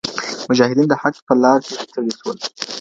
مجاهدین د حق په لار کي ستړي سول.